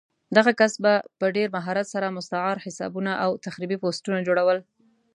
دغه کس به په ډېر مهارت سره مستعار حسابونه او تخریبي پوسټونه جوړول